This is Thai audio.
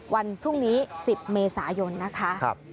วันพรุ่งนี้๑๐เมษายนนะคะ